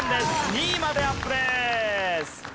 ２位までアップです。